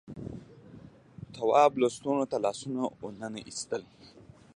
تواب لستونو ته لاسونه وننه ایستل.